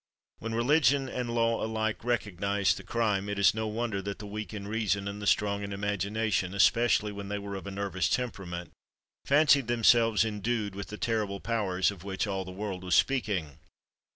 When religion and law alike recognised the crime, it is no wonder that the weak in reason and the strong in imagination, especially when they were of a nervous temperament, fancied themselves endued with the terrible powers of which all the world was speaking.